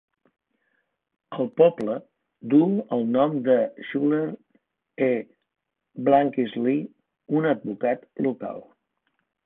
El poble duu el nom de Schuyler E. Blakeslee, un advocat local.